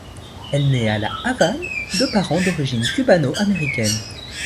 Elle naît à La Havane de parents d'origines cubano-américaine.